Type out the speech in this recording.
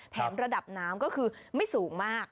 ระดับน้ำก็คือไม่สูงมาก